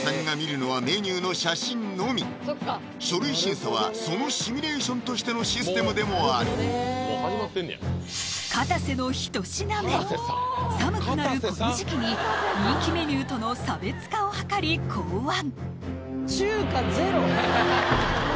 書類審査はそのシミュレーションとしてのシステムでもあるかたせの１品目寒くなるこの時期に人気メニューとの差別化をはかり考案